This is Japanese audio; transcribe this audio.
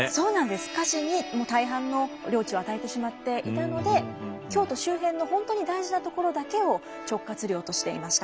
家臣にもう大半の領地を与えてしまっていたので京都周辺の本当に大事な所だけを直轄領としていました。